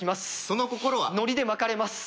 その心はノリでまかれます